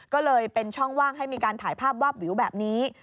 ก็เลยเป็นช่องว่างให้มีการถ่ายภาพวาบวิวแบบนี้